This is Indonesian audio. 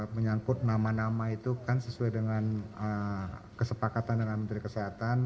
menyangkut nama nama itu kan sesuai dengan kesepakatan dengan menteri kesehatan